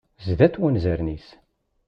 Zdat wanzaren-is.